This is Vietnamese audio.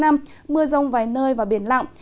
mưa rông vài nơi và biển lặng